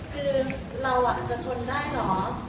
คือเราจะทนได้เหรอ